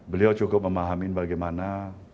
beliau cukup memahamin bagaimana